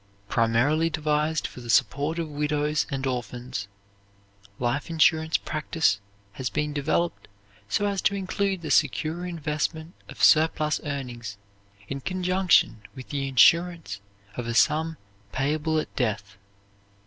"Primarily devised for the support of widows and orphans, life insurance practise has been developed so as to include the secure investment of surplus earnings in conjunction with the insurance of a sum payable at death."